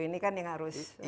ini kan yang harus hati hati